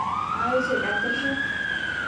— А изоляторжо?